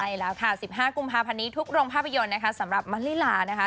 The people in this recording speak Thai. ใช่แล้วค่ะ๑๕กุมภาพันธ์นี้ทุกโรงภาพยนตร์นะคะสำหรับมะลิลานะคะ